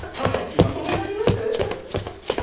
気になります？